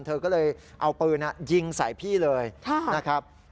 เธอก็เลยเอาปืนยิงใส่พี่เลยนะครับ